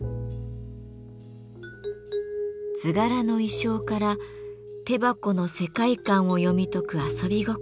図柄の意匠から手箱の世界観を読み解く遊び心。